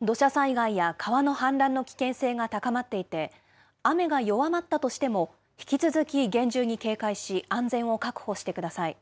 土砂災害や川の氾濫の危険性が高まっていて、雨が弱まったとしても、引き続き厳重に警戒し、安全を確保してください。